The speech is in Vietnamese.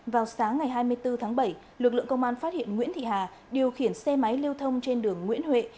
vào sáng ngày hai mươi bốn tháng bảy lực lượng công an phát hiện nguyễn thị hà điều khiển xe máy lưu thông trên đường nguyễn huệ